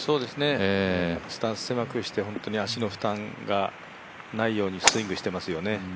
スタンス狭くして足の負担がないようにスイングしてますよね。